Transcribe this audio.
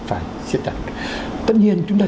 phải siết đặt tất nhiên chúng ta